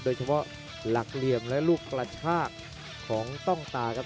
โดยเฉพาะหลักเหลี่ยมและลูกกระชากของต้องตาครับ